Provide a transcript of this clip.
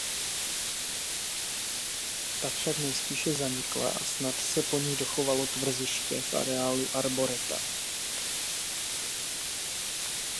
Ta však nejspíše zanikla a snad se po ní dochovalo tvrziště v areálu Arboreta.